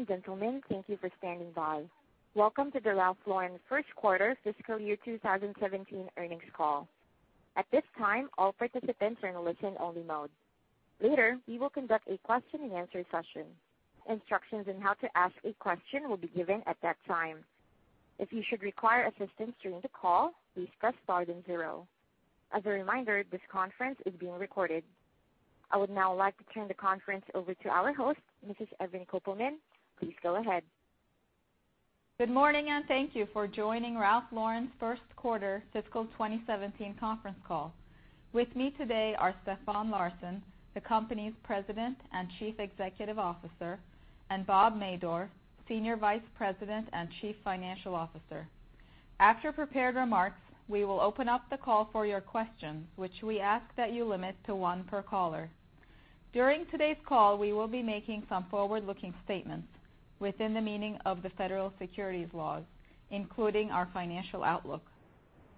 Ladies and gentlemen, thank you for standing by. Welcome to the Ralph Lauren first quarter fiscal year 2017 earnings call. At this time, all participants are in listen-only mode. Later, we will conduct a question-and-answer session. Instructions on how to ask a question will be given at that time. If you should require assistance during the call, please press star then zero. As a reminder, this conference is being recorded. I would now like to turn the conference over to our host, Mrs. Evren Kopelman. Please go ahead. Good morning, thank you for joining Ralph Lauren's first quarter fiscal 2017 conference call. With me today are Stefan Larsson, the company's President and Chief Executive Officer, Bob Madore, Senior Vice President and Chief Financial Officer. After prepared remarks, we will open up the call for your questions, which we ask that you limit to one per caller. During today's call, we will be making some forward-looking statements within the meaning of the federal securities laws, including our financial outlook.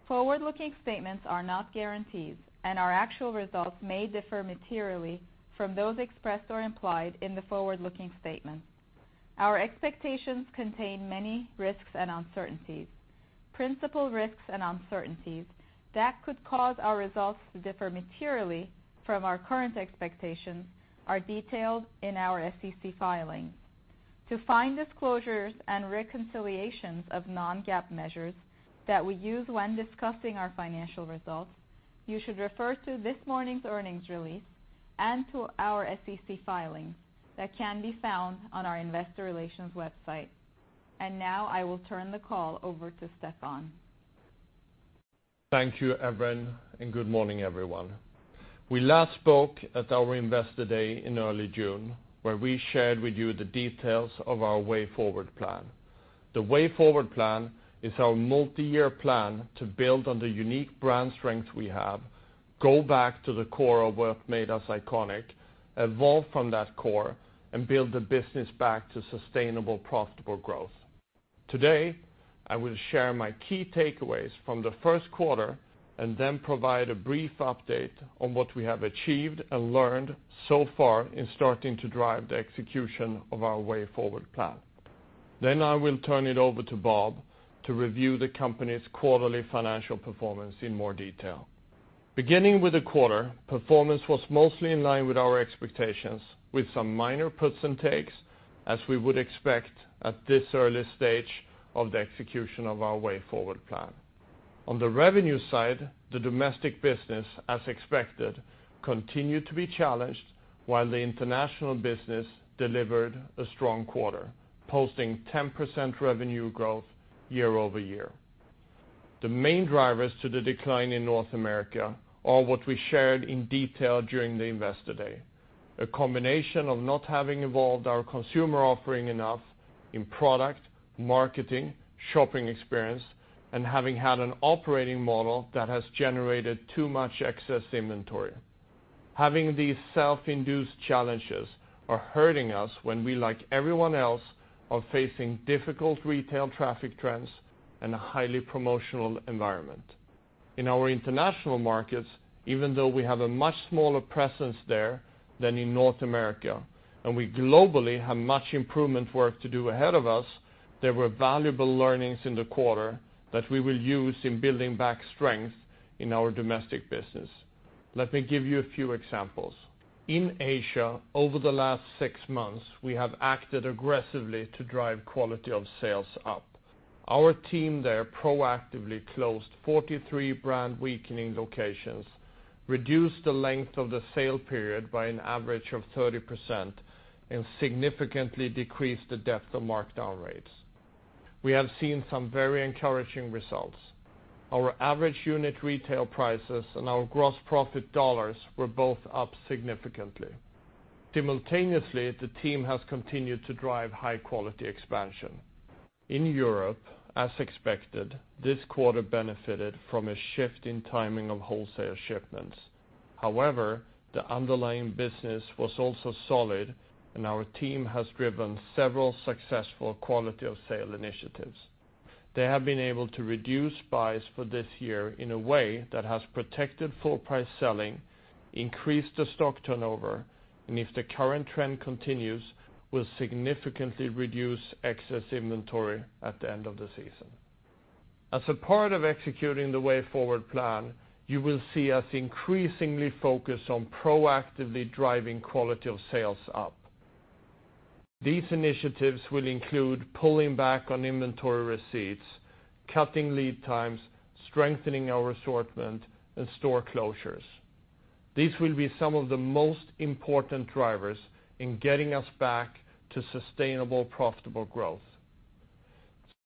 Forward-looking statements are not guarantees. Our actual results may differ materially from those expressed or implied in the forward-looking statement. Our expectations contain many risks and uncertainties. Principal risks and uncertainties that could cause our results to differ materially from our current expectations are detailed in our SEC filings. To find disclosures and reconciliations of non-GAAP measures that we use when discussing our financial results, you should refer to this morning's earnings release and to our SEC filings that can be found on our investor relations website. Now I will turn the call over to Stefan. Thank you, Evren, good morning, everyone. We last spoke at our Investor Day in early June, where we shared with you the details of our Way Forward Plan. The Way Forward Plan is our multi-year plan to build on the unique brand strengths we have, go back to the core of what made us iconic, evolve from that core, and build the business back to sustainable, profitable growth. Today, I will share my key takeaways from the first quarter then provide a brief update on what we have achieved and learned so far in starting to drive the execution of our Way Forward Plan. I will turn it over to Bob to review the company's quarterly financial performance in more detail. Beginning with the quarter, performance was mostly in line with our expectations, with some minor puts and takes as we would expect at this early stage of the execution of our Way Forward Plan. On the revenue side, the domestic business, as expected, continued to be challenged, while the international business delivered a strong quarter, posting 10% revenue growth year-over-year. The main drivers to the decline in North America are what we shared in detail during the Investor Day, a combination of not having evolved our consumer offering enough in product, marketing, shopping experience, and having had an operating model that has generated too much excess inventory. Having these self-induced challenges are hurting us when we, like everyone else, are facing difficult retail traffic trends and a highly promotional environment. In our international markets, even though we have a much smaller presence there than in North America, and we globally have much improvement work to do ahead of us, there were valuable learnings in the quarter that we will use in building back strength in our domestic business. Let me give you a few examples. In Asia, over the last six months, we have acted aggressively to drive quality of sales up. Our team there proactively closed 43 brand weakening locations, reduced the length of the sale period by an average of 30%, and significantly decreased the depth of markdown rates. We have seen some very encouraging results. Our average unit retail prices and our gross profit dollars were both up significantly. Simultaneously, the team has continued to drive high-quality expansion. In Europe, as expected, this quarter benefited from a shift in timing of wholesale shipments. The underlying business was also solid, and our team has driven several successful quality of sale initiatives. They have been able to reduce buys for this year in a way that has protected full price selling, increased the stock turnover, and if the current trend continues, will significantly reduce excess inventory at the end of the season. As a part of executing the Way Forward Plan, you will see us increasingly focused on proactively driving quality of sales up. These initiatives will include pulling back on inventory receipts, cutting lead times, strengthening our assortment, and store closures. These will be some of the most important drivers in getting us back to sustainable, profitable growth.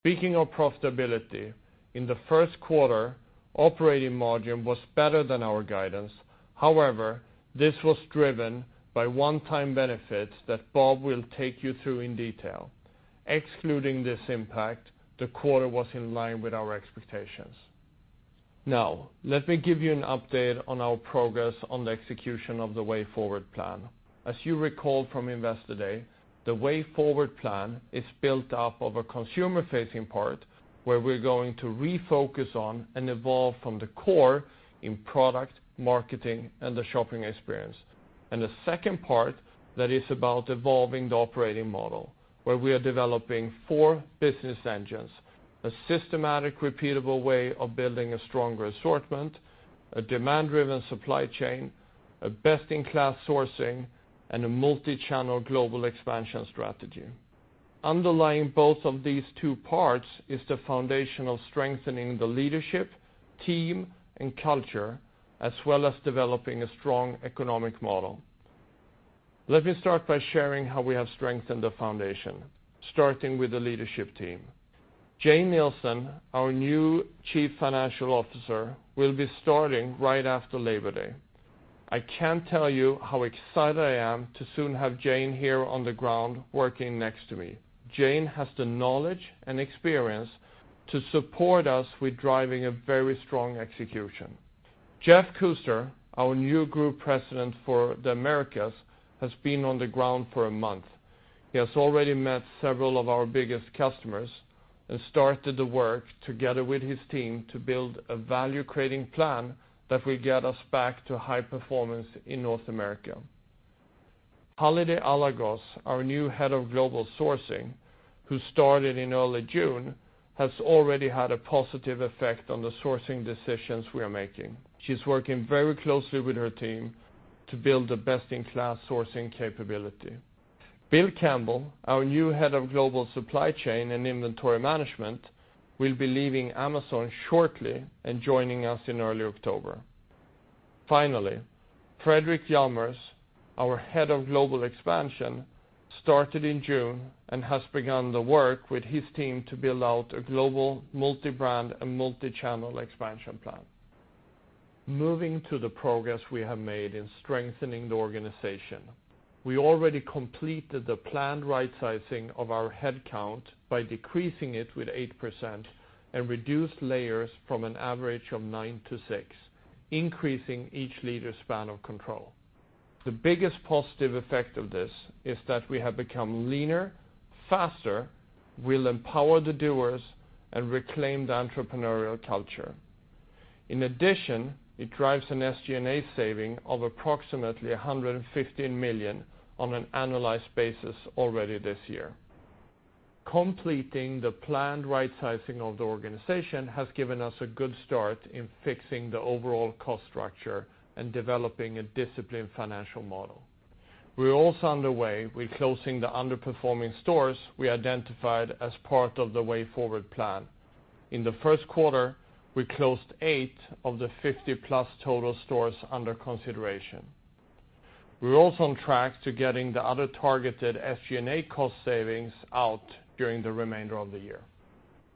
Speaking of profitability, in the first quarter, operating margin was better than our guidance. However, this was driven by one-time benefits that Bob will take you through in detail. Excluding this impact, the quarter was in line with our expectations. Let me give you an update on our progress on the execution of the Way Forward Plan. As you recall from Investor Day, the Way Forward Plan is built up of a consumer-facing part, where we're going to refocus on and evolve from the core in product, marketing, and the shopping experience. The second part, that is about evolving the operating model, where we are developing four business engines, a systematic, repeatable way of building a stronger assortment, a demand-driven supply chain, a best-in-class sourcing, and a multi-channel global expansion strategy. Underlying both of these two parts is the foundation of strengthening the leadership, team, and culture, as well as developing a strong economic model. Let me start by sharing how we have strengthened the foundation, starting with the leadership team. Jane Nielsen, our new Chief Financial Officer, will be starting right after Labor Day. I can't tell you how excited I am to soon have Jane here on the ground working next to me. Jane has the knowledge and experience to support us with driving a very strong execution. Jeff Kuster, our new Group President for the Americas, has been on the ground for a month. He has already met several of our biggest customers and started the work together with his team to build a value-creating plan that will get us back to high performance in North America. Halide Alagöz, our new Head of Global Sourcing, who started in early June, has already had a positive effect on the sourcing decisions we are making. She's working very closely with her team to build a best-in-class sourcing capability. Bill Campbell, our new Head of Global Supply Chain and Inventory Management, will be leaving Amazon shortly and joining us in early October. Finally, Fredrik Hjalmers, our Head of Global Expansion, started in June and has begun the work with his team to build out a global multi-brand and multi-channel expansion plan. Moving to the progress we have made in strengthening the organization, we already completed the planned right-sizing of our head count by decreasing it with 8% and reduced layers from an average of nine to six, increasing each leader's span of control. The biggest positive effect of this is that we have become leaner, faster, we'll empower the doers, and reclaim the entrepreneurial culture. In addition, it drives an SG&A saving of approximately $115 million on an annualized basis already this year. Completing the planned right-sizing of the organization has given us a good start in fixing the overall cost structure and developing a disciplined financial model. We are also underway with closing the underperforming stores we identified as part of the Way Forward Plan. In the first quarter, we closed eight of the 50-plus total stores under consideration. We are also on track to getting the other targeted SG&A cost savings out during the remainder of the year.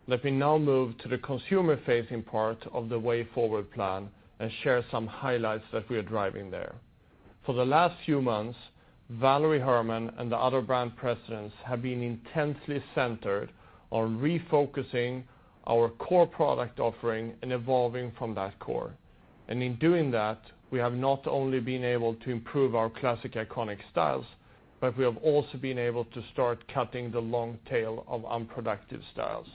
Let me now move to the consumer-facing part of the Way Forward Plan and share some highlights that we are driving there. For the last few months, Valérie Hermann and the other brand presidents have been intensely centered on refocusing our core product offering and evolving from that core. In doing that, we have not only been able to improve our classic iconic styles, but we have also been able to start cutting the long tail of unproductive styles.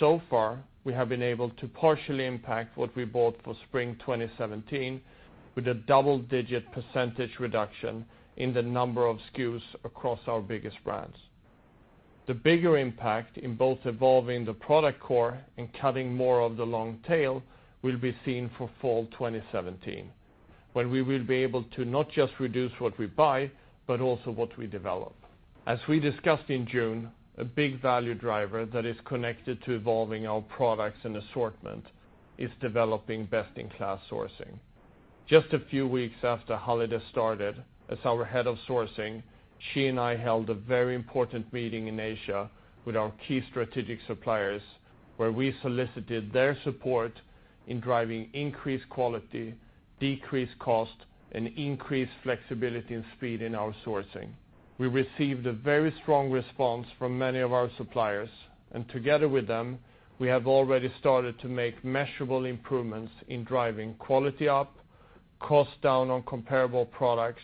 So far, we have been able to partially impact what we bought for spring 2017 with a double-digit percentage reduction in the number of SKUs across our biggest brands. The bigger impact in both evolving the product core and cutting more of the long tail will be seen for fall 2017, when we will be able to not just reduce what we buy, but also what we develop. As we discussed in June, a big value driver that is connected to evolving our products and assortment is developing best-in-class sourcing. Just a few weeks after Halide started as our head of sourcing, she and I held a very important meeting in Asia with our key strategic suppliers, where we solicited their support in driving increased quality, decreased cost, and increased flexibility and speed in our sourcing. We received a very strong response from many of our suppliers, and together with them, we have already started to make measurable improvements in driving quality up, cost down on comparable products,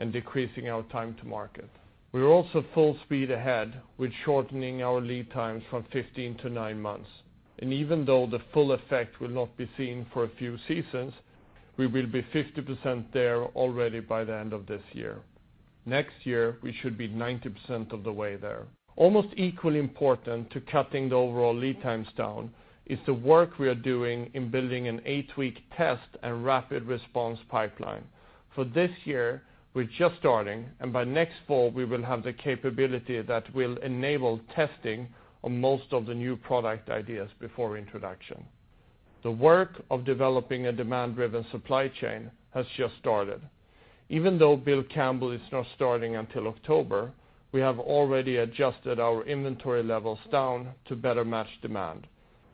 and decreasing our time to market. We are also full speed ahead with shortening our lead times from 15 to 9 months. Even though the full effect will not be seen for a few seasons, we will be 50% there already by the end of this year. Next year, we should be 90% of the way there. Almost equally important to cutting the overall lead times down is the work we are doing in building an eight-week test and rapid response pipeline. For this year, we're just starting, and by next fall, we will have the capability that will enable testing on most of the new product ideas before introduction. The work of developing a demand-driven supply chain has just started. Even though Bill Campbell is not starting until October, we have already adjusted our inventory levels down to better match demand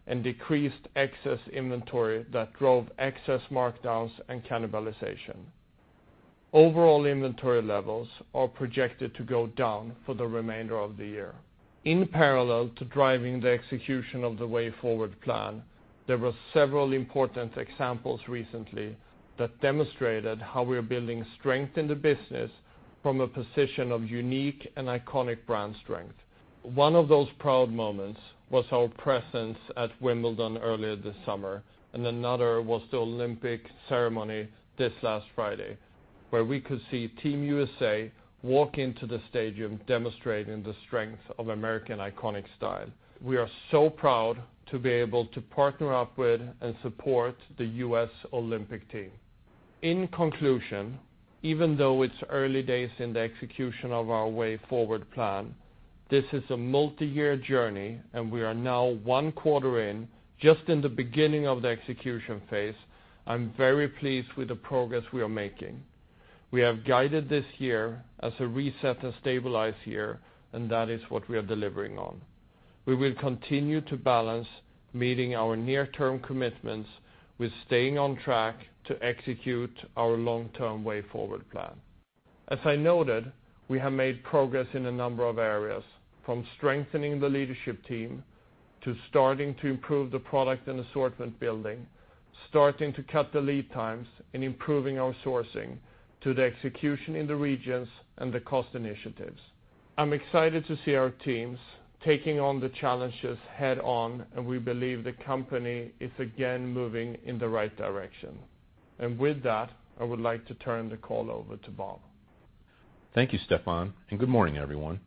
and decreased excess inventory that drove excess markdowns and cannibalization. Overall inventory levels are projected to go down for the remainder of the year. In parallel to driving the execution of the Way Forward Plan, there were several important examples recently that demonstrated how we are building strength in the business from a position of unique and iconic brand strength. One of those proud moments was our presence at Wimbledon earlier this summer. Another was the Olympic ceremony this last Friday, where we could see Team USA walk into the stadium demonstrating the strength of American iconic style. We are so proud to be able to partner up with and support the US Olympic team. In conclusion, even though it's early days in the execution of our Way Forward Plan, this is a multi-year journey, and we are now one quarter in, just in the beginning of the execution phase. I'm very pleased with the progress we are making. We have guided this year as a reset and stabilize year, and that is what we are delivering on. We will continue to balance meeting our near-term commitments with staying on track to execute our long-term Way Forward Plan. As I noted, we have made progress in a number of areas, from strengthening the leadership team, to starting to improve the product and assortment building, starting to cut the lead times and improving our sourcing, to the execution in the regions and the cost initiatives. I'm excited to see our teams taking on the challenges head-on, and we believe the company is again moving in the right direction. With that, I would like to turn the call over to Bob. Thank you, Stefan, and good morning, everyone.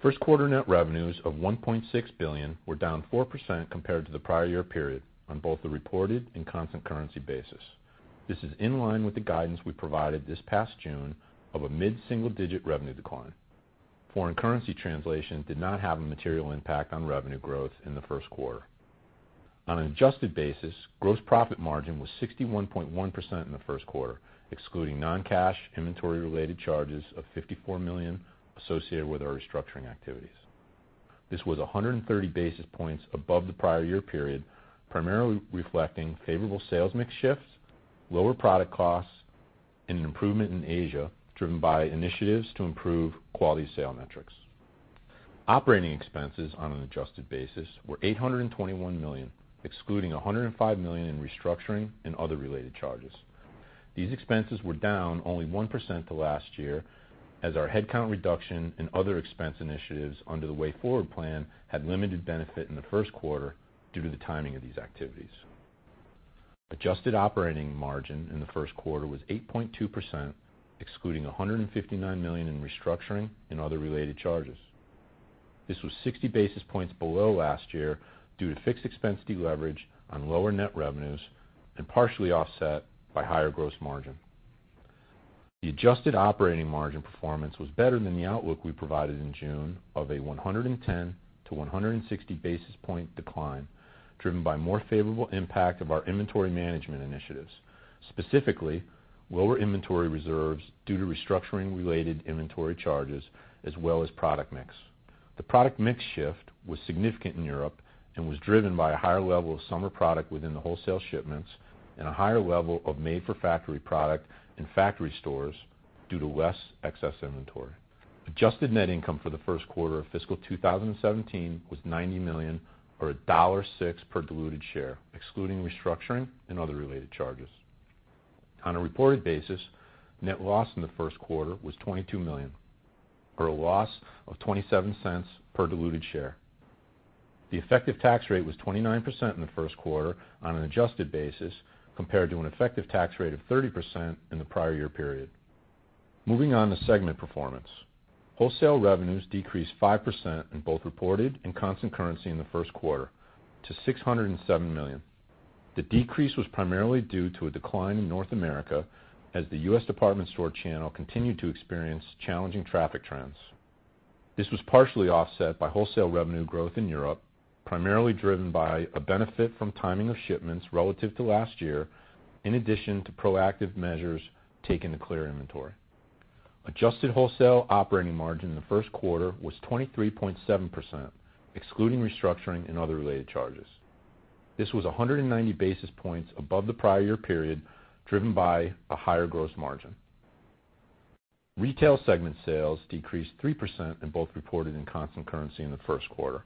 First quarter net revenues of $1.6 billion were down 4% compared to the prior year period on both the reported and constant currency basis. This is in line with the guidance we provided this past June of a mid-single-digit revenue decline. Foreign currency translation did not have a material impact on revenue growth in the first quarter. On an adjusted basis, gross profit margin was 61.1% in the first quarter, excluding non-cash inventory-related charges of $54 million associated with our restructuring activities. This was 130 basis points above the prior year period, primarily reflecting favorable sales mix shifts, lower product costs, and an improvement in Asia, driven by initiatives to improve quality sale metrics. Operating expenses on an adjusted basis were $821 million, excluding $105 million in restructuring and other related charges. These expenses were down only 1% to last year as our headcount reduction and other expense initiatives under the Way Forward Plan had limited benefit in the first quarter due to the timing of these activities. Adjusted operating margin in the first quarter was 8.2%, excluding $159 million in restructuring and other related charges. This was 60 basis points below last year due to fixed expense deleverage on lower net revenues and partially offset by higher gross margin. The adjusted operating margin performance was better than the outlook we provided in June of a 110-160 basis point decline, driven by more favorable impact of our inventory management initiatives, specifically lower inventory reserves due to restructuring-related inventory charges as well as product mix. The product mix shift was significant in Europe and was driven by a higher level of summer product within the wholesale shipments and a higher level of made-for-factory product in factory stores due to less excess inventory. Adjusted net income for the first quarter of fiscal 2017 was $90 million or $1.06 per diluted share, excluding restructuring and other related charges. On a reported basis, net loss in the first quarter was $22 million or a loss of $0.27 per diluted share. The effective tax rate was 29% in the first quarter on an adjusted basis, compared to an effective tax rate of 30% in the prior year period. Moving on to segment performance. Wholesale revenues decreased 5% in both reported and constant currency in the first quarter to $607 million. The decrease was primarily due to a decline in North America as the U.S. department store channel continued to experience challenging traffic trends. This was partially offset by wholesale revenue growth in Europe, primarily driven by a benefit from timing of shipments relative to last year, in addition to proactive measures taken to clear inventory. Adjusted wholesale operating margin in the first quarter was 23.7%, excluding restructuring and other related charges. This was 190 basis points above the prior year period, driven by a higher gross margin. Retail segment sales decreased 3% in both reported and constant currency in the first quarter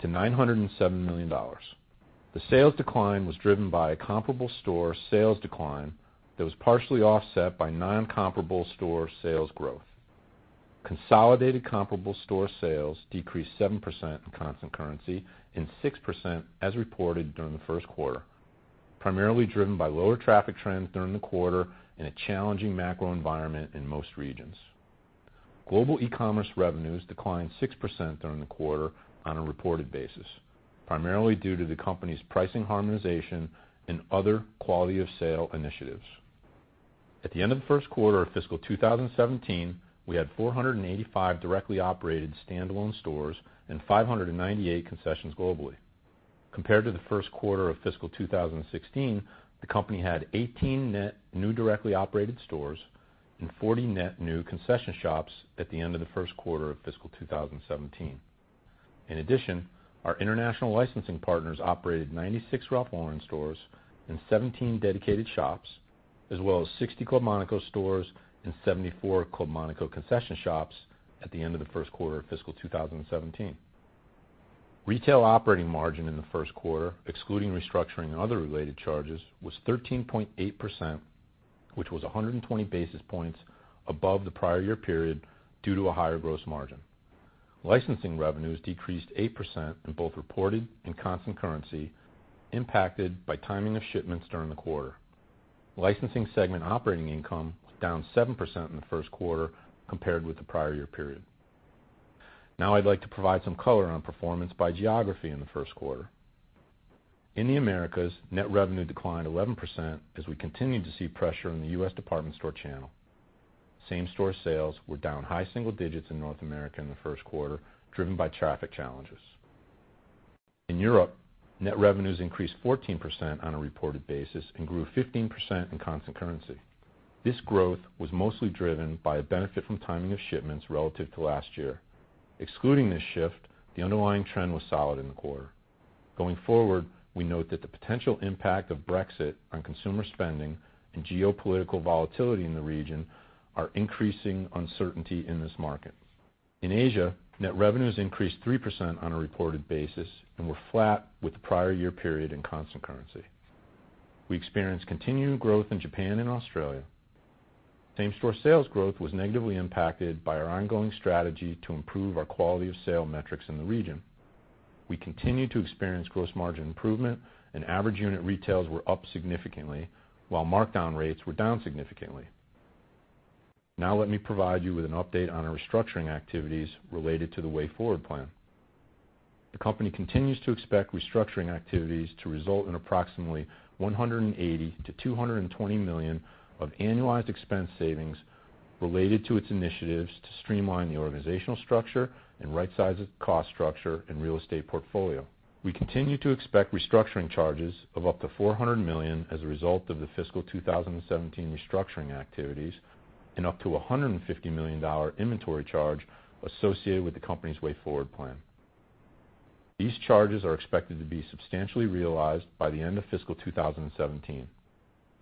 to $907 million. The sales decline was driven by a comparable store sales decline that was partially offset by non-comparable store sales growth. Consolidated comparable store sales decreased 7% in constant currency and 6% as reported during the first quarter, primarily driven by lower traffic trends during the quarter and a challenging macro environment in most regions. Global e-commerce revenues declined 6% during the quarter on a reported basis, primarily due to the company's pricing harmonization and other quality-of-sale initiatives. At the end of the first quarter of FY 2017, we had 485 directly operated standalone stores and 598 concessions globally. Compared to the first quarter of FY 2016, the company had 18 net new directly operated stores and 40 net new concession shops at the end of the first quarter of FY 2017. In addition, our international licensing partners operated 96 Ralph Lauren stores and 17 dedicated shops, as well as 60 Club Monaco stores and 74 Club Monaco concession shops at the end of the first quarter of FY 2017. Retail operating margin in the first quarter, excluding restructuring and other related charges, was 13.8%, which was 120 basis points above the prior year period due to a higher gross margin. Licensing revenues decreased 8% in both reported and constant currency, impacted by timing of shipments during the quarter. Licensing segment operating income down 7% in the first quarter compared with the prior year period. I'd like to provide some color on performance by geography in the first quarter. In the Americas, net revenue declined 11% as we continued to see pressure in the U.S. department store channel. Same-store sales were down high single digits in North America in the first quarter, driven by traffic challenges. In Europe, net revenues increased 14% on a reported basis and grew 15% in constant currency. This growth was mostly driven by a benefit from timing of shipments relative to last year. Excluding this shift, the underlying trend was solid in the quarter. Going forward, we note that the potential impact of Brexit on consumer spending and geopolitical volatility in the region are increasing uncertainty in this market. In Asia, net revenues increased 3% on a reported basis and were flat with the prior year period in constant currency. We experienced continued growth in Japan and Australia. Same-store sales growth was negatively impacted by our ongoing strategy to improve our quality-of-sale metrics in the region. We continued to experience gross margin improvement and average unit retails were up significantly, while markdown rates were down significantly. Let me provide you with an update on our restructuring activities related to the Way Forward Plan. The company continues to expect restructuring activities to result in approximately $180 million-$220 million of annualized expense savings related to its initiatives to streamline the organizational structure and right-size its cost structure and real estate portfolio. We continue to expect restructuring charges of up to $400 million as a result of the FY 2017 restructuring activities and up to $150 million inventory charge associated with the company's Way Forward Plan. These charges are expected to be substantially realized by the end of FY 2017.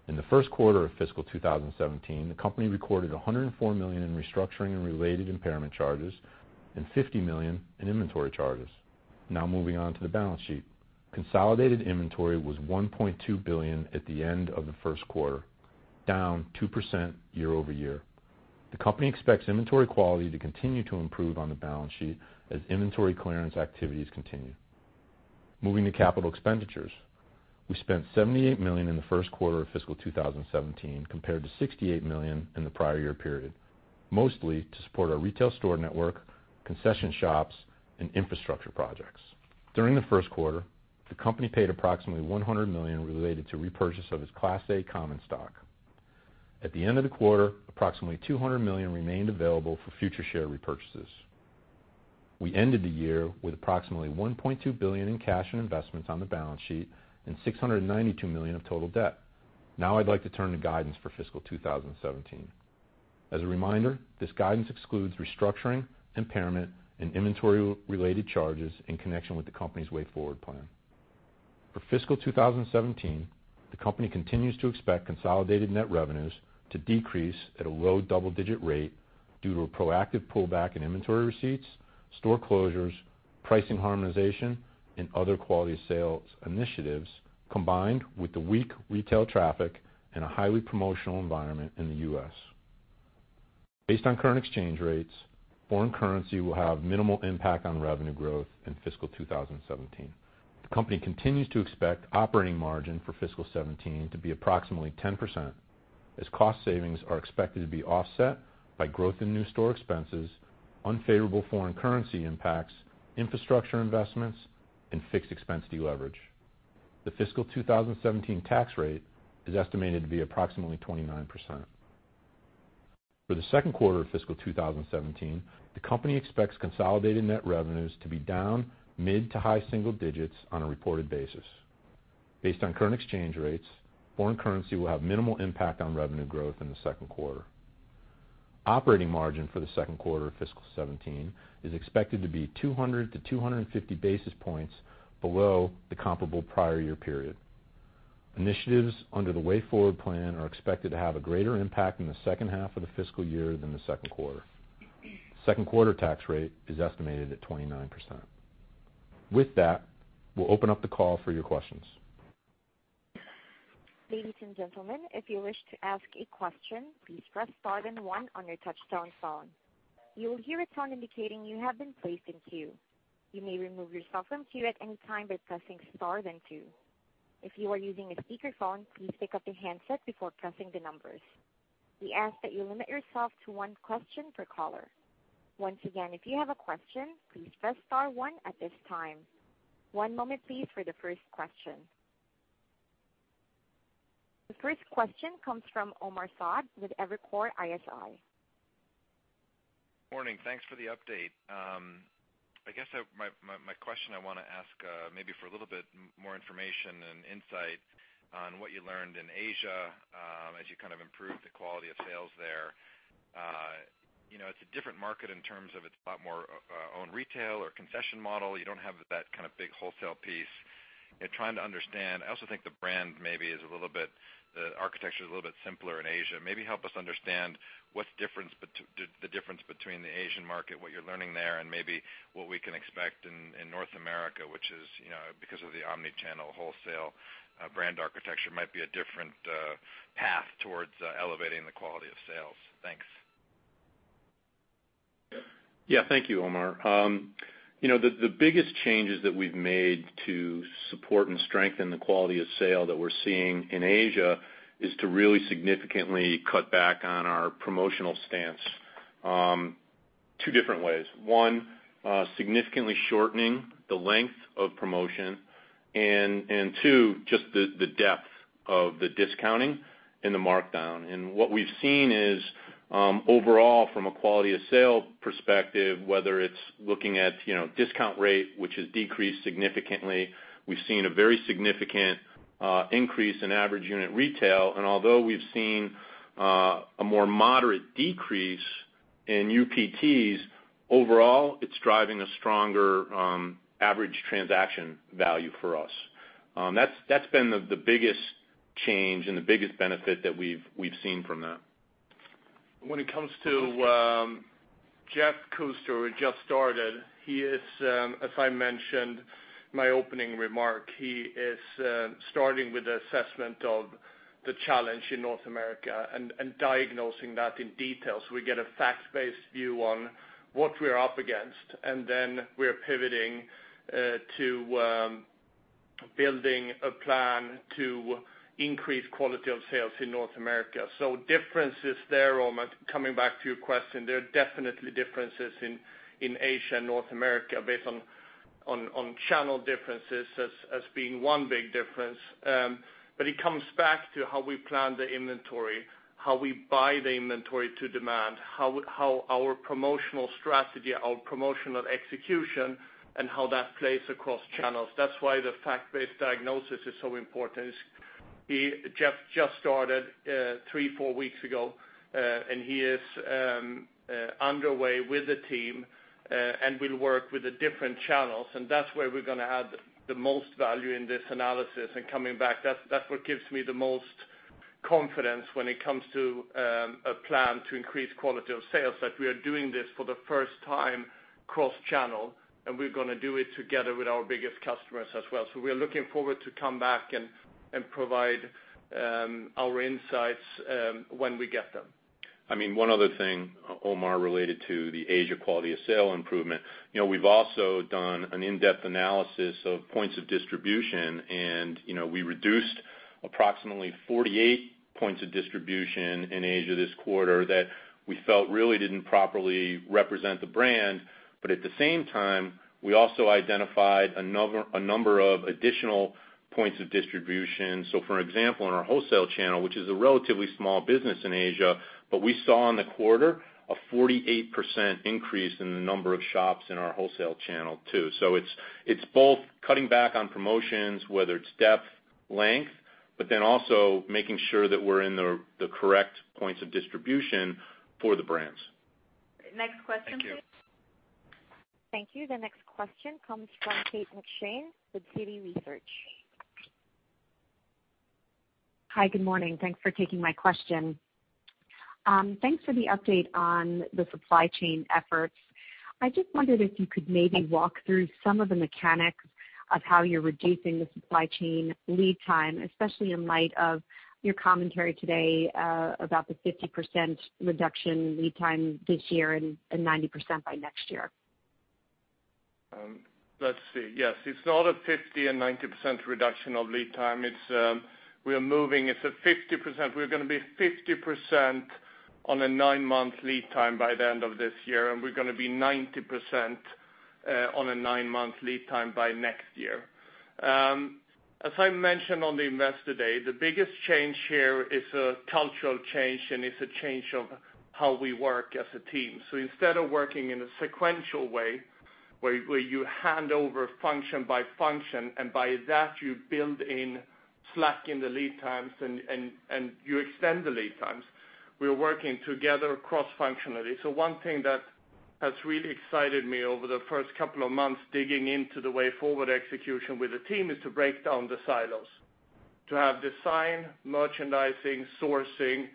In the first quarter of FY 2017, the company recorded $104 million in restructuring and related impairment charges and $50 million in inventory charges. Moving on to the balance sheet. Consolidated inventory was $1.2 billion at the end of the first quarter, down 2% year-over-year. The company expects inventory quality to continue to improve on the balance sheet as inventory clearance activities continue. Moving to capital expenditures. We spent $78 million in the first quarter of fiscal 2017 compared to $68 million in the prior year period, mostly to support our retail store network, concession shops, and infrastructure projects. During the first quarter, the company paid approximately $100 million related to repurchase of its Class A common stock. At the end of the quarter, approximately $200 million remained available for future share repurchases. We ended the year with approximately $1.2 billion in cash and investments on the balance sheet and $692 million of total debt. Now I'd like to turn to guidance for fiscal 2017. As a reminder, this guidance excludes restructuring, impairment, and inventory-related charges in connection with the company's Way Forward Plan. For fiscal 2017, the company continues to expect consolidated net revenues to decrease at a low double-digit rate due to a proactive pullback in inventory receipts, store closures, pricing harmonization, and other quality sales initiatives, combined with the weak retail traffic and a highly promotional environment in the U.S. Based on current exchange rates, foreign currency will have minimal impact on revenue growth in fiscal 2017. The company continues to expect operating margin for fiscal 2017 to be approximately 10%, as cost savings are expected to be offset by growth in new store expenses, unfavorable foreign currency impacts, infrastructure investments, and fixed expense de-leverage. The fiscal 2017 tax rate is estimated to be approximately 29%. For the second quarter of fiscal 2017, the company expects consolidated net revenues to be down mid to high single digits on a reported basis. Based on current exchange rates, foreign currency will have minimal impact on revenue growth in the second quarter. Operating margin for the second quarter of fiscal 2017 is expected to be 200 to 250 basis points below the comparable prior year period. Initiatives under the Way Forward Plan are expected to have a greater impact in the second half of the fiscal year than the second quarter. Second quarter tax rate is estimated at 29%. With that, we'll open up the call for your questions. Ladies and gentlemen, if you wish to ask a question, please press star then one on your touchtone phone. You will hear a tone indicating you have been placed in queue. You may remove yourself from queue at any time by pressing star then two. If you are using a speakerphone, please pick up the handset before pressing the numbers. We ask that you limit yourself to one question per caller. Once again, if you have a question, please press star one at this time. One moment, please, for the first question. The first question comes from Omar Saad with Evercore ISI. Morning. Thanks for the update. I guess my question I want to ask maybe for a little bit more information and insight on what you learned in Asia as you kind of improved the quality of sales there. It's a different market in terms of it's a lot more own retail or concession model. You don't have that kind of big wholesale piece. I also think the brand maybe is a little bit simpler in Asia. Maybe help us understand what's the difference between the Asian market, what you're learning there, and maybe what we can expect in North America, which is, because of the omni-channel wholesale brand architecture, might be a different path towards elevating the quality of sales. Thanks. Yeah. Thank you, Omar. The biggest changes that we've made to support and strengthen the quality of sale that we're seeing in Asia is to really significantly cut back on our promotional stance. Two different ways. One, significantly shortening the length of promotion, and two, just the depth of the discounting and the markdown. What we've seen is, overall, from a quality of sale perspective, whether it's looking at discount rate, which has decreased significantly. We've seen a very significant increase in average unit retail, and although we've seen a more moderate decrease in UPTs, overall, it's driving a stronger average transaction value for us. That's been the biggest change and the biggest benefit that we've seen from that. When it comes to Jeff Kuster, who just started, as I mentioned, my opening remark, he is starting with the assessment of the challenge in North America and diagnosing that in detail so we get a fact-based view on what we're up against, and then we're pivoting to building a plan to increase quality of sales in North America. Differences there, Omar, coming back to your question, there are definitely differences in Asia and North America based on channel differences as being one big difference. It comes back to how we plan the inventory, how we buy the inventory to demand, how our promotional strategy, our promotional execution, and how that plays across channels. That's why the fact-based diagnosis is so important. Jeff just started 3, 4 weeks ago, he is underway with the team, and will work with the different channels, and that's where we're going to have the most value in this analysis. Coming back, that's what gives me the most confidence when it comes to a plan to increase quality of sales, that we are doing this for the first time cross-channel, and we're going to do it together with our biggest customers as well. We are looking forward to come back and provide our insights when we get them. One other thing, Omar, related to the Asia quality of sale improvement. We've also done an in-depth analysis of points of distribution. We reduced approximately 48 points of distribution in Asia this quarter that we felt really didn't properly represent the brand. At the same time, we also identified a number of additional points of distribution. For example, in our wholesale channel, which is a relatively small business in Asia, we saw in the quarter a 48% increase in the number of shops in our wholesale channel too. It's both cutting back on promotions, whether it's depth, length, also making sure that we're in the correct points of distribution for the brands. Next question, please. Thank you. Thank you. The next question comes from Kate McShane with Citi Research. Hi, good morning. Thanks for taking my question. Thanks for the update on the supply chain efforts. I just wondered if you could maybe walk through some of the mechanics of how you're reducing the supply chain lead time, especially in light of your commentary today about the 50% reduction lead time this year and 90% by next year. Let's see. Yes. It's not a 50 and 90% reduction of lead time. We're going to be 50% on a nine-month lead time by the end of this year, and we're going to be 90% on a nine-month lead time by next year. As I mentioned on the Investor Day, the biggest change here is a cultural change and it's a change of how we work as a team. Instead of working in a sequential way where you hand over function by function, and by that you build in slack in the lead times and you extend the lead times, we are working together cross-functionally. One thing that has really excited me over the first couple of months digging into the Way Forward execution with the team is to break down the silos. To have design, merchandising, sourcing,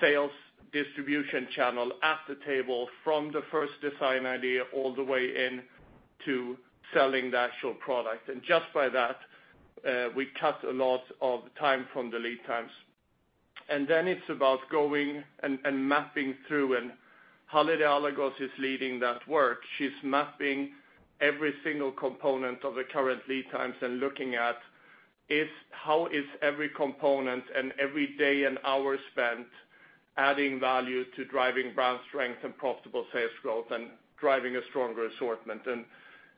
sales, distribution channel at the table from the first design idea all the way in to selling the actual product. Just by that, we cut a lot of time from the lead times. It's about going and mapping through. Halide Alagöz is leading that work. She's mapping every single component of the current lead times and looking at how is every component and every day and hour spent adding value to driving brand strength and profitable sales growth and driving a stronger assortment.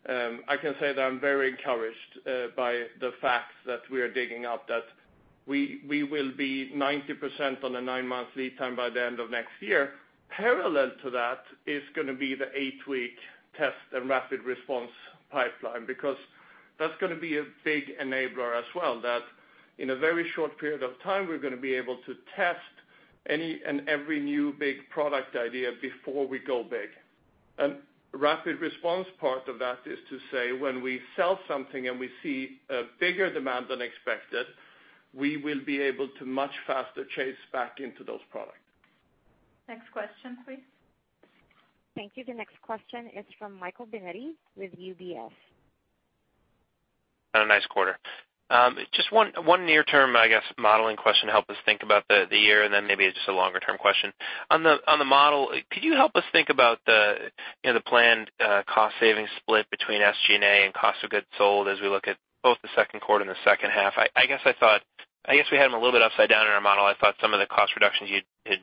I can say that I'm very encouraged by the facts that we are digging up, that we will be 90% on a nine-month lead time by the end of next year. Parallel to that is going to be the eight-week test and rapid response pipeline. That's going to be a big enabler as well, that in a very short period of time, we're going to be able to test any and every new big product idea before we go big. Rapid response part of that is to say, when we sell something and we see a bigger demand than expected, we will be able to much faster chase back into those products. Next question, please. Thank you. The next question is from Michael Binetti with UBS. Had a nice quarter. Just one near term, I guess, modeling question to help us think about the year and then maybe just a longer-term question. On the model, could you help us think about the planned cost-savings split between SG&A and cost of goods sold as we look at both the second quarter and the second half? I guess we had them a little bit upside down in our model. I thought some of the cost reductions you'd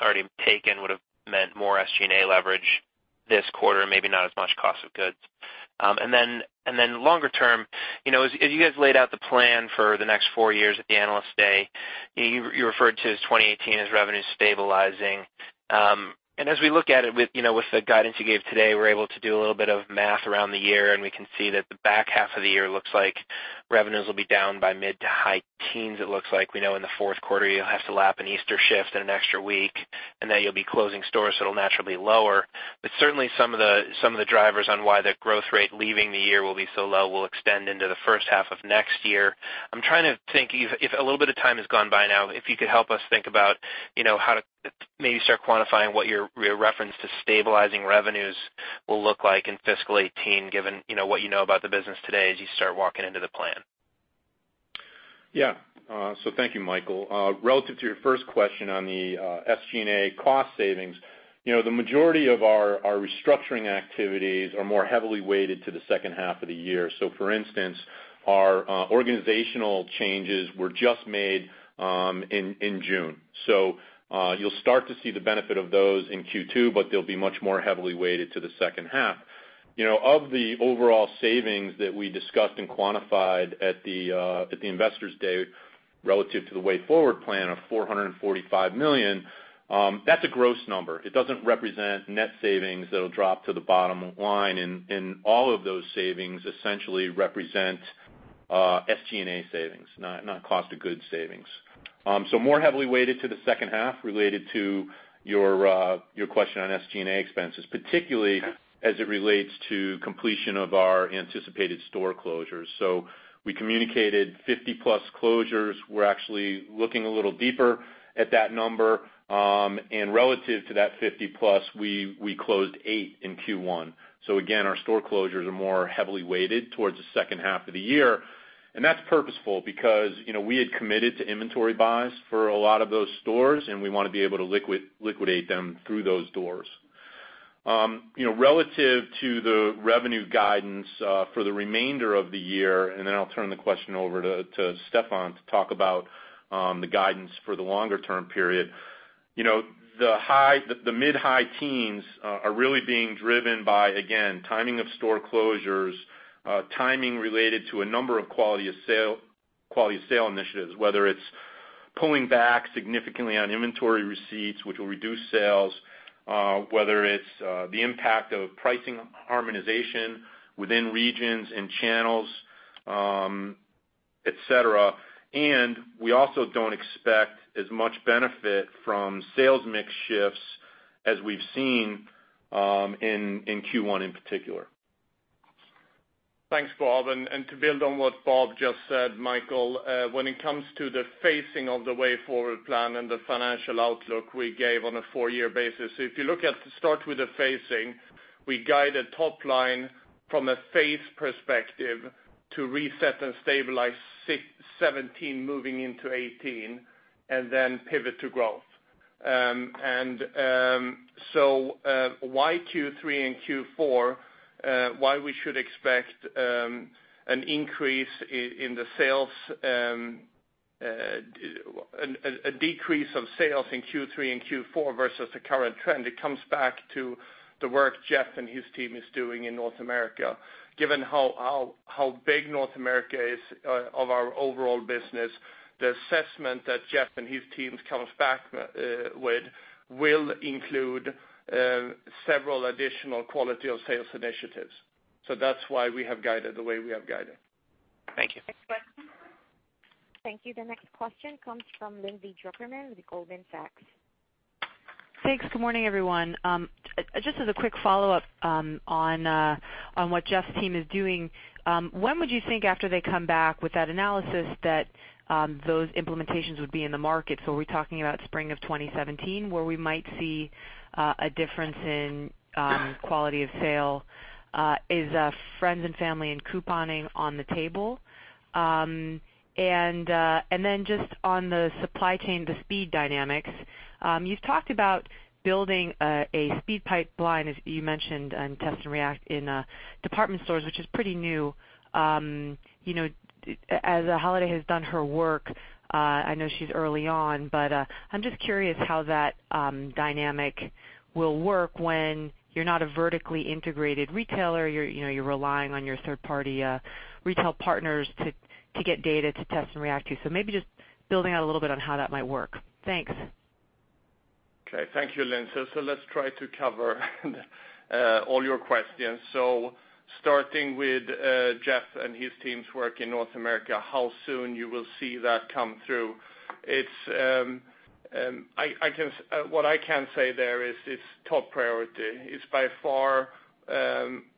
already taken would've meant more SG&A leverage this quarter, and maybe not as much cost of goods. Longer term, as you guys laid out the plan for the next four years at the Analyst Day, you referred to 2018 as revenue stabilizing. As we look at it with the guidance you gave today, we're able to do a little bit of math around the year, and we can see that the back half of the year looks like revenues will be down by mid to high teens, it looks like. We know in the fourth quarter you'll have to lap an Easter shift and an extra week, and then you'll be closing stores, so it'll naturally lower. Certainly, some of the drivers on why the growth rate leaving the year will be so low will extend into the first half of next year. I'm trying to think, if a little bit of time has gone by now, if you could help us think about how to maybe start quantifying what your reference to stabilizing revenues will look like in fiscal 2018, given what you know about the business today as you start walking into the plan. Yeah. Thank you, Michael. Relative to your first question on the SG&A cost savings, the majority of our restructuring activities are more heavily weighted to the second half of the year. For instance, our organizational changes were just made in June. You'll start to see the benefit of those in Q2, but they'll be much more heavily weighted to the second half. Of the overall savings that we discussed and quantified at the Investor Day relative to the Way Forward Plan of $445 million, that's a gross number. It doesn't represent net savings that'll drop to the bottom line. All of those savings essentially represent SG&A savings, not cost of goods savings. More heavily weighted to the second half related to your question on SG&A expenses, particularly as it relates to completion of our anticipated store closures. We communicated 50-plus closures. We're actually looking a little deeper at that number. Relative to that 50-plus, we closed eight in Q1. Again, our store closures are more heavily weighted towards the second half of the year, and that's purposeful because we had committed to inventory buys for a lot of those stores, and we want to be able to liquidate them through those doors. Relative to the revenue guidance for the remainder of the year, then I'll turn the question over to Stefan to talk about the guidance for the longer-term period. The mid-high teens are really being driven by, again, timing of store closures, timing related to a number of quality sale initiatives, whether it's pulling back significantly on inventory receipts, which will reduce sales, whether it's the impact of pricing harmonization within regions and channels, et cetera. We also don't expect as much benefit from sales mix shifts as we've seen in Q1 in particular. Thanks, Bob. To build on what Bob just said, Michael, when it comes to the phasing of the Way Forward Plan and the financial outlook we gave on a 4-year basis. If you start with the phasing, we guided top line from a phase perspective to reset and stabilize 2017 moving into 2018, and then pivot to growth. Why Q3 and Q4, why we should expect a decrease of sales in Q3 and Q4 versus the current trend, it comes back to the work Jeff and his team is doing in North America. Given how big North America is of our overall business, the assessment that Jeff and his teams comes back with will include several additional quality of sales initiatives. That's why we have guided the way we have guided. Thank you. Next question. Thank you. The next question comes from Lindsay Drucker Mann with Goldman Sachs. Thanks. Good morning, everyone. Just as a quick follow-up on what Jeff's team is doing. When would you think after they come back with that analysis that those implementations would be in the market? Are we talking about spring of 2017 where we might see a difference in quality of sale? Is friends and family and couponing on the table? Just on the supply chain, the speed dynamics, you've talked about building a speed pipeline, as you mentioned, test and react in department stores, which is pretty new. As Halide has done her work, I know she's early on, but I'm just curious how that dynamic will work when you're not a vertically integrated retailer, you're relying on your third-party retail partners to get data to test and react to. Maybe just building out a little bit on how that might work. Thanks. Okay. Thank you, Lindsay. Let's try to cover all your questions. Starting with Jeff and his team's work in North America, how soon you will see that come through. What I can say there is it's top priority. It's by far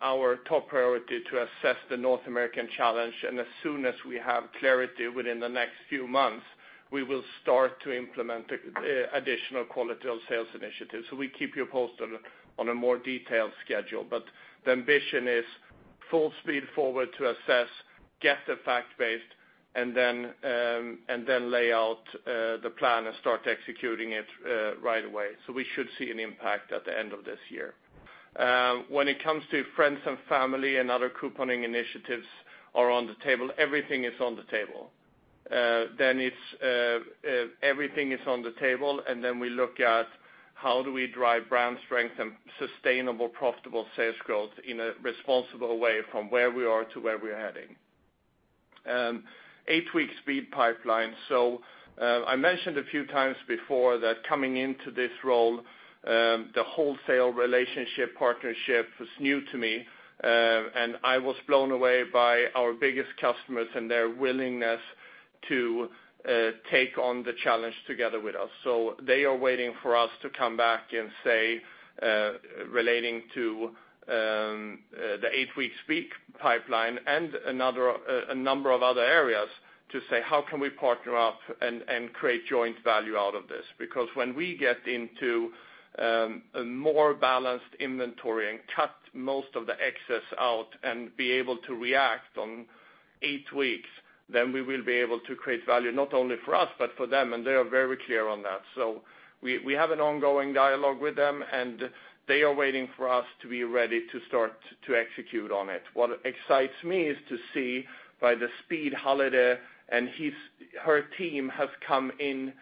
our top priority to assess the North American challenge, and as soon as we have clarity within the next few months, we will start to implement additional quality of sales initiatives. We'll keep you posted on a more detailed schedule, but the ambition is full speed forward to assess, get the fact base, and then lay out the plan and start executing it right away. We should see an impact at the end of this year. When it comes to friends and family and other couponing initiatives are on the table, everything is on the table. Everything is on the table, we look at how do we drive brand strength and sustainable, profitable sales growth in a responsible way from where we are to where we're heading. Eight-week speed pipeline. I mentioned a few times before that coming into this role, the wholesale relationship partnership was new to me, and I was blown away by our biggest customers and their willingness to take on the challenge together with us. They are waiting for us to come back and say, relating to the eight-week speed pipeline and a number of other areas, to say how can we partner up and create joint value out of this? Because when we get into a more balanced inventory and cut most of the excess out and be able to react on eight weeks, then we will be able to create value not only for us but for them, and they are very clear on that. We have an ongoing dialogue with them, and they are waiting for us to be ready to start to execute on it. What excites me is to see by the speed Halide and her team have come in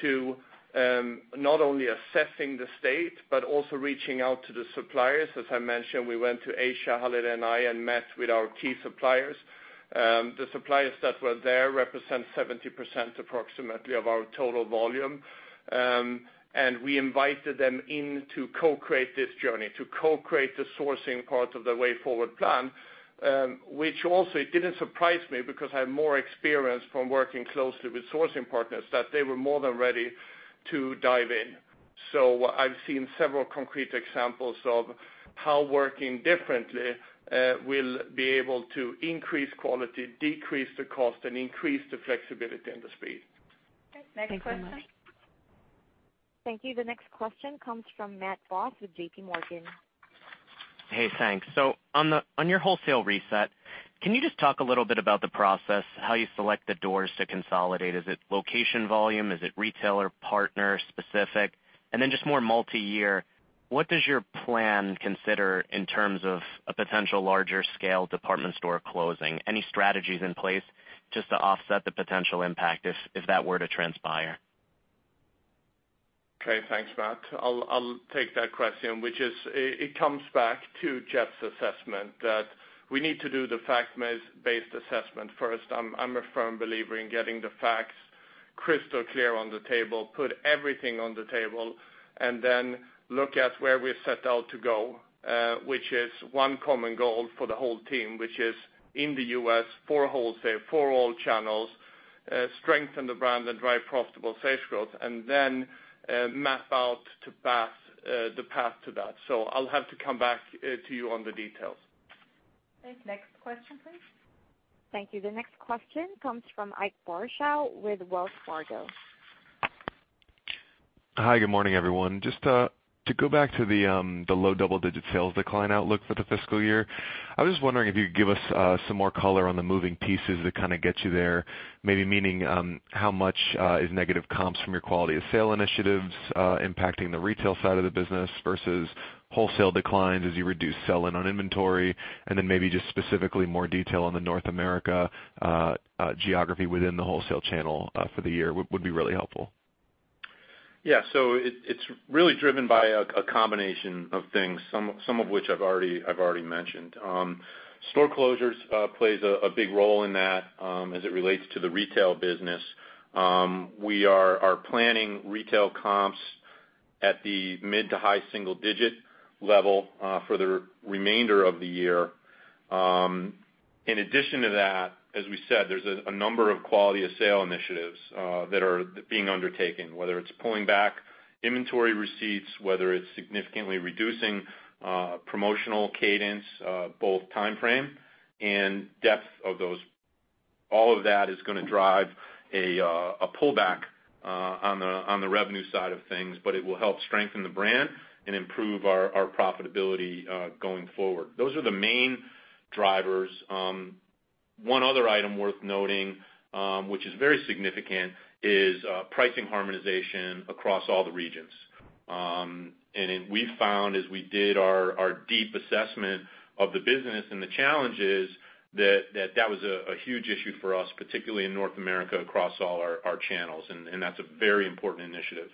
to not only assessing the state but also reaching out to the suppliers. As I mentioned, we went to Asia, Halide and I, and met with our key suppliers. The suppliers that were there represent 70% approximately of our total volume. We invited them in to co-create this journey, to co-create the sourcing part of the Way Forward Plan, which also it didn't surprise me because I have more experience from working closely with sourcing partners, that they were more than ready to dive in. I've seen several concrete examples of how working differently will be able to increase quality, decrease the cost, and increase the flexibility and the speed. Okay. Next question? Thanks so much. Thank you. The next question comes from Matt Boss with JPMorgan. Hey, thanks. On your wholesale reset, can you just talk a little bit about the process, how you select the doors to consolidate? Is it location volume? Is it retailer-partner specific? Then just more multi-year, what does your plan consider in terms of a potential larger scale department store closing? Any strategies in place just to offset the potential impact if that were to transpire? Okay, thanks, Matt. I'll take that question, which is, it comes back to Jeff's assessment that we need to do the fact-based assessment first. I'm a firm believer in getting the facts crystal clear on the table, put everything on the table, and then look at where we're set out to go, which is one common goal for the whole team, which is in the U.S. for wholesale, for all channels, strengthen the brand and drive profitable sales growth, and then map out the path to that. I'll have to come back to you on the details. Thanks. Next question, please. Thank you. The next question comes from Ike Boruchow with Wells Fargo. Hi, good morning, everyone. Just to go back to the low double-digit sales decline outlook for the fiscal year, I was just wondering if you could give us some more color on the moving pieces that kind of get you there, maybe meaning how much is negative comps from your quality of sale initiatives impacting the retail side of the business versus wholesale declines as you reduce sell-in on inventory, and then maybe just specifically more detail on the North America geography within the wholesale channel for the year would be really helpful. Yeah. It's really driven by a combination of things, some of which I've already mentioned. Store closures plays a big role in that as it relates to the retail business. We are planning retail comps at the mid to high single-digit level for the remainder of the year. In addition to that, as we said, there's a number of quality of sale initiatives that are being undertaken, whether it's pulling back inventory receipts, whether it's significantly reducing promotional cadence, both timeframe and depth of those. All of that is going to drive a pullback on the revenue side of things, but it will help strengthen the brand and improve our profitability going forward. Those are the main drivers. One other item worth noting, which is very significant, is pricing harmonization across all the regions. We found as we did our deep assessment of the business and the challenges, that that was a huge issue for us, particularly in North America, across all our channels. That's a very important initiative.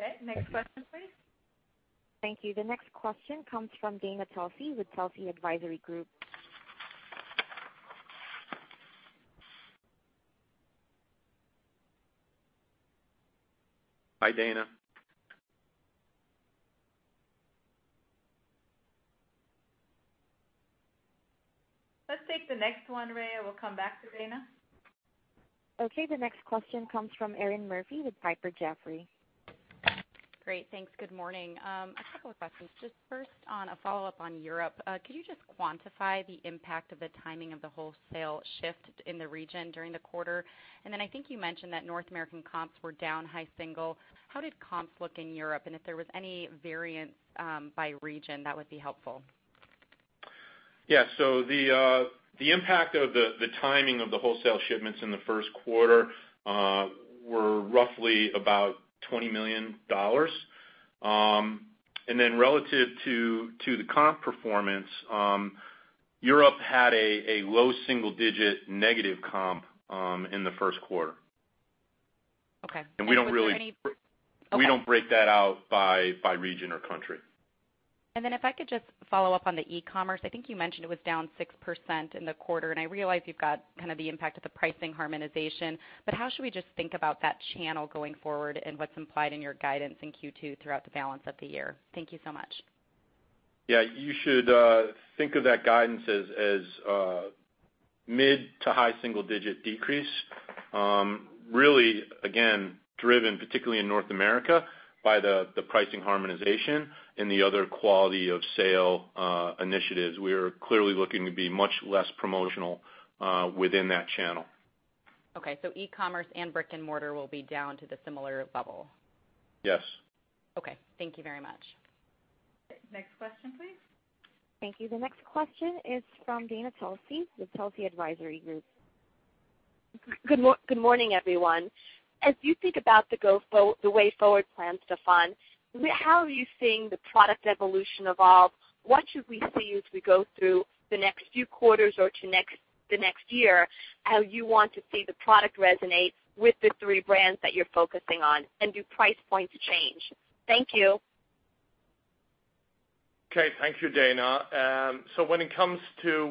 Okay. Next question, please. Thank you. The next question comes from Dana Telsey with Telsey Advisory Group. Hi, Dana. Let's take the next one, Rhea. We'll come back to Dana. Okay, the next question comes from Erinn Murphy with Piper Jaffray. Great. Thanks. Good morning. A couple of questions. Just first, on a follow-up on Europe, could you just quantify the impact of the timing of the wholesale shift in the region during the quarter? I think you mentioned that North American comps were down high single. How did comps look in Europe? If there was any variance by region, that would be helpful. Yeah. The impact of the timing of the wholesale shipments in the first quarter were roughly about $20 million. Relative to the comp performance, Europe had a low single-digit negative comp in the first quarter. Okay. Was there any- We don't break that out by region or country. If I could just follow up on the e-commerce, I think you mentioned it was down 6% in the quarter, I realize you've got the impact of the pricing harmonization, how should we just think about that channel going forward and what's implied in your guidance in Q2 throughout the balance of the year? Thank you so much. You should think of that guidance as a mid to high single-digit decrease. Really, again, driven particularly in North America by the pricing harmonization and the other quality of sale initiatives. We are clearly looking to be much less promotional within that channel. E-commerce and brick and mortar will be down to the similar level. Yes. Thank you very much. Next question, please. Thank you. The next question is from Dana Telsey with Telsey Advisory Group. Good morning, everyone. As you think about the Way Forward Plan to fund, how are you seeing the product evolution evolve? What should we see as we go through the next few quarters or to the next year, how you want to see the product resonate with the three brands that you're focusing on, and do price points change? Thank you. Okay. Thank you, Dana. When it comes to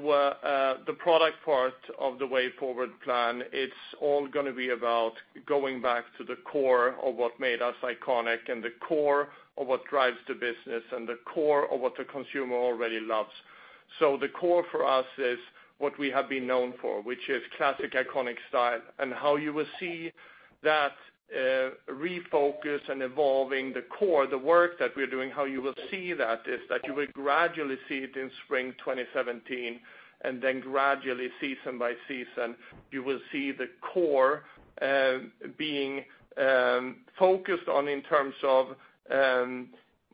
the product part of the Way Forward Plan, it's all going to be about going back to the core of what made us iconic and the core of what drives the business and the core of what the consumer already loves. The core for us is what we have been known for, which is classic iconic style, and how you will see that refocus and evolving the core, the work that we're doing, how you will see that is that you will gradually see it in spring 2017, and then gradually season by season, you will see the core being focused on in terms of,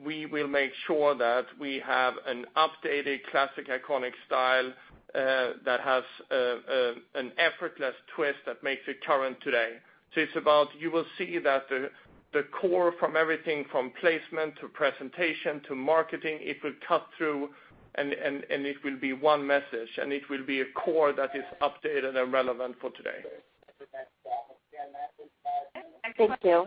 we will make sure that we have an updated classic iconic style that has an effortless twist that makes it current today. It's about, you will see that the core from everything from placement to presentation to marketing, it will cut through, and it will be one message, and it will be a core that is updated and relevant for today. Thank you.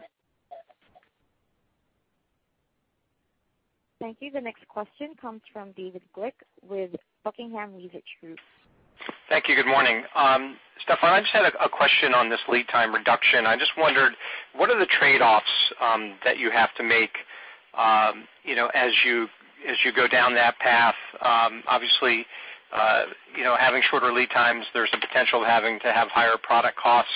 Thank you. The next question comes from David Glick with Buckingham Research Group. Thank you. Good morning. Stefan, I just had a question on this lead time reduction. I just wondered, what are the trade-offs that you have to make as you go down that path? Obviously, having shorter lead times, there's a potential of having to have higher product costs.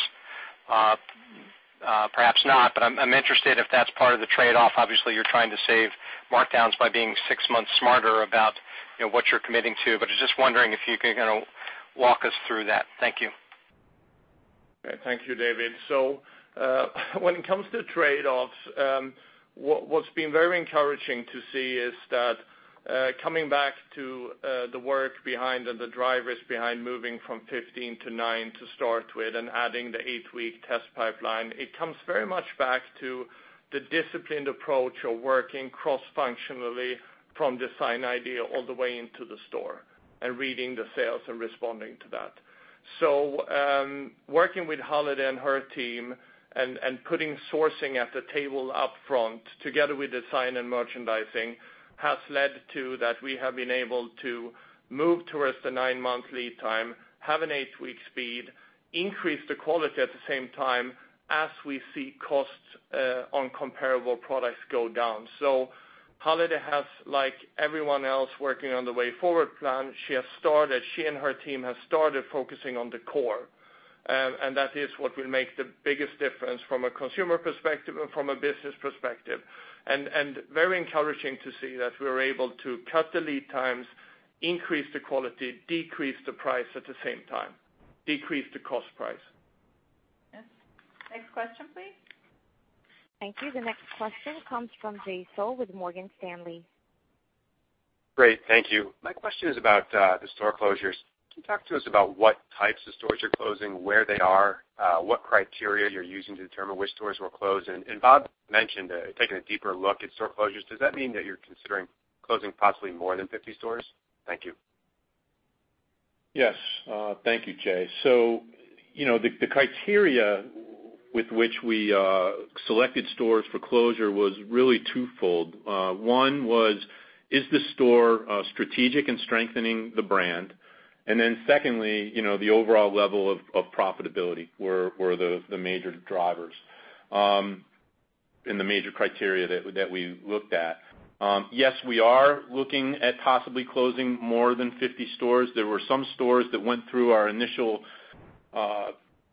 Perhaps not, but I'm interested if that's part of the trade-off. Obviously, you're trying to save markdowns by being six months smarter about what you're committing to, but I was just wondering if you could walk us through that. Thank you. Thank you, David. When it comes to trade-offs, what's been very encouraging to see is that coming back to the work behind and the drivers behind moving from 15 to nine to start with and adding the eight-week test pipeline, it comes very much back to the disciplined approach of working cross-functionally from design idea all the way into the store and reading the sales and responding to that. Working with Halide and her team and putting sourcing at the table up front together with design and merchandising has led to that we have been able to move towards the nine-month lead time, have an eight-week speed, increase the quality at the same time as we see costs on comparable products go down. Halide has, like everyone else working on the Way Forward Plan, she and her team have started focusing on the core. That is what will make the biggest difference from a consumer perspective and from a business perspective. Very encouraging to see that we are able to cut the lead times, increase the quality, decrease the price at the same time, decrease the cost price. Yes. Next question, please. Thank you. The next question comes from Jay Sole with Morgan Stanley. Great. Thank you. My question is about the store closures. Can you talk to us about what types of stores you are closing, where they are, what criteria you are using to determine which stores will close? Bob mentioned taking a deeper look at store closures. Does that mean that you are considering closing possibly more than 50 stores? Thank you. Yes. Thank you, Jay. The criteria with which we selected stores for closure was really twofold. One was, is the store strategic in strengthening the brand? Secondly, the overall level of profitability were the major drivers. In the major criteria that we looked at. Yes, we are looking at possibly closing more than 50 stores. There were some stores that went through our initial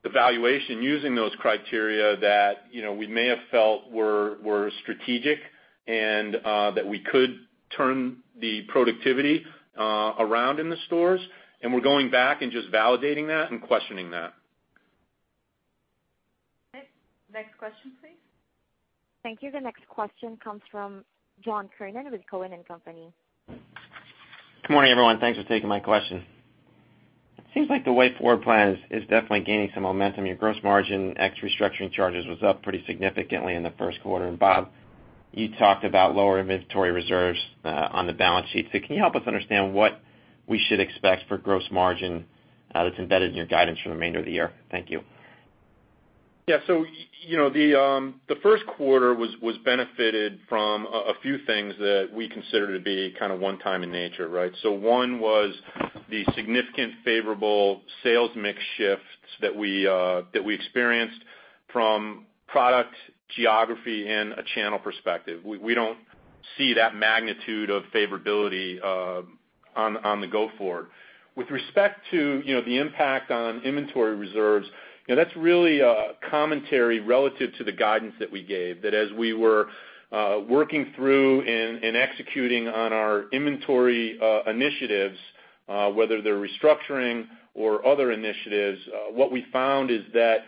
evaluation using those criteria that we may have felt were strategic, and that we could turn the productivity around in the stores. We are going back and just validating that and questioning that. Okay. Next question, please. Thank you. The next question comes from John Kernan with Cowen and Company. Good morning, everyone. Thanks for taking my question. It seems like the Way Forward Plan is definitely gaining some momentum. Your gross margin, ex restructuring charges, was up pretty significantly in the first quarter. Bob, you talked about lower inventory reserves on the balance sheet. Can you help us understand what we should expect for gross margin that's embedded in your guidance for the remainder of the year? Thank you. Yeah. The first quarter was benefited from a few things that we consider to be kind of one time in nature, right? One was the significant favorable sales mix shifts that we experienced from product geography in a channel perspective. We don't see that magnitude of favorability on the go forward. With respect to the impact on inventory reserves, that's really a commentary relative to the guidance that we gave. That as we were working through and executing on our inventory initiatives, whether they're restructuring or other initiatives, what we found is that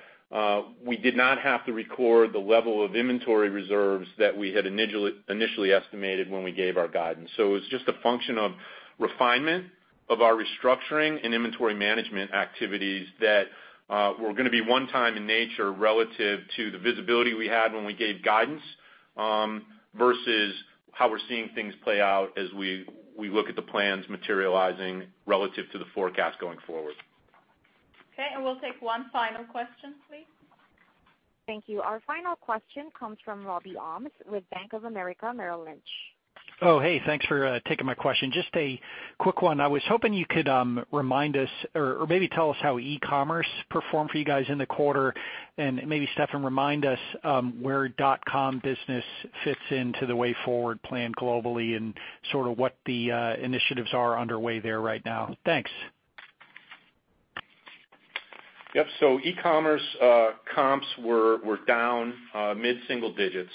we did not have to record the level of inventory reserves that we had initially estimated when we gave our guidance. It was just a function of refinement of our restructuring and inventory management activities that were going to be one time in nature relative to the visibility we had when we gave guidance, versus how we're seeing things play out as we look at the plans materializing relative to the forecast going forward. Okay, we'll take one final question, please. Thank you. Our final question comes from Robbie Ohmes with Bank of America Merrill Lynch. Hey, thanks for taking my question. Just a quick one. I was hoping you could remind us, or maybe tell us how e-commerce performed for you guys in the quarter. Maybe Stefan, remind us where dot-com business fits into the Way Forward Plan globally, and sort of what the initiatives are underway there right now. Thanks. Yep. E-commerce comps were down mid-single digits.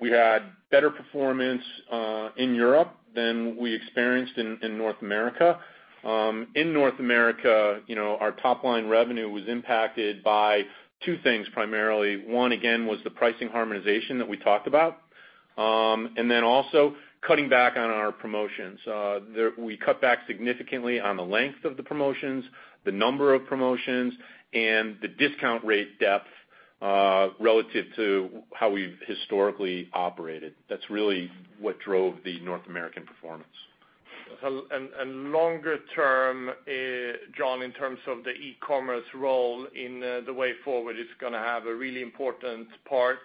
We had better performance in Europe than we experienced in North America. In North America, our top-line revenue was impacted by two things, primarily. One, again, was the pricing harmonization that we talked about. Also cutting back on our promotions. We cut back significantly on the length of the promotions, the number of promotions, and the discount rate depth, relative to how we've historically operated. That's really what drove the North American performance. Longer term, John, in terms of the e-commerce role in the Way Forward, it's going to have a really important part.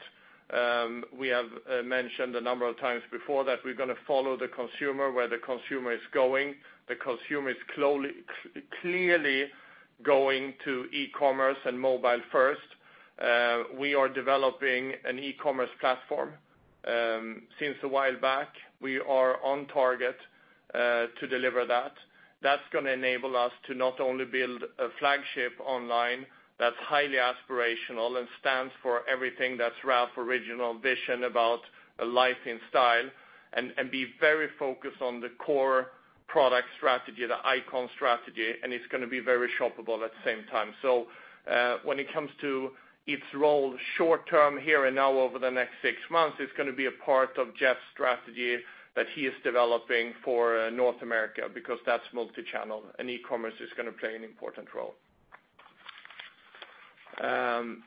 We have mentioned a number of times before that we're going to follow the consumer where the consumer is going. The consumer is clearly going to e-commerce and mobile first. We are developing an e-commerce platform since a while back. We are on target to deliver that. That's going to enable us to not only build a flagship online that's highly aspirational and stands for everything that's Ralph original vision about a life in style, be very focused on the core product strategy, the icon strategy, it's going to be very shoppable at the same time. When it comes to its role short term here and now over the next 6 months, it's going to be a part of Jeff's strategy that he is developing for North America, because that's multi-channel, and e-commerce is going to play an important role.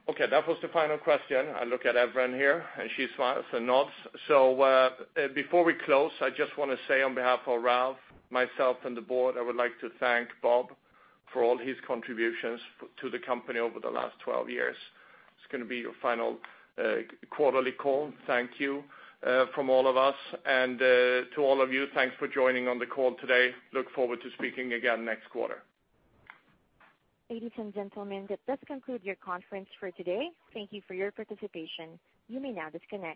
Okay, that was the final question. I look at Evren here, and she smiles and nods. Before we close, I just want to say on behalf of Ralph, myself, and the board, I would like to thank Bob for all his contributions to the company over the last 12 years. It's going to be your final quarterly call. Thank you from all of us. To all of you, thanks for joining on the call today. Look forward to speaking again next quarter. Ladies and gentlemen, that does conclude your conference for today. Thank you for your participation. You may now disconnect.